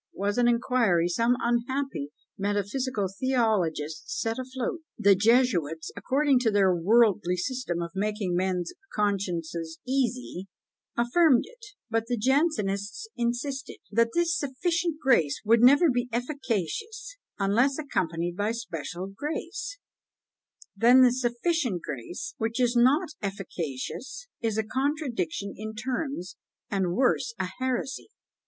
was an inquiry some unhappy metaphysical theologist set afloat: the Jesuits, according to their worldly system of making men's consciences easy, affirmed it; but the Jansenists insisted, that this sufficient grace would never be efficacious, unless accompanied by special grace. "Then the sufficient grace, which is not efficacious, is a contradiction in terms, and worse, a heresy!"